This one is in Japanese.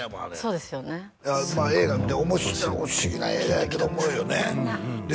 まあ映画見て面白い不思議な映画やけどおもろいよねで